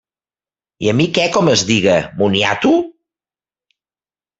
I a mi què com es diga, moniato!?